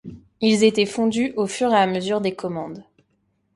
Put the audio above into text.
Ils étaient fondus au fur et à mesure des commandes.